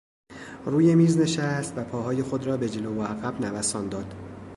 روی میز نشست و پاهای خود را به جلو و عقب نوسان داد.